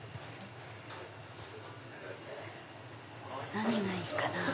何がいいかな？